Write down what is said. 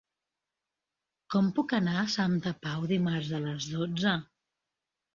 Com puc anar a Santa Pau dimarts a les dotze?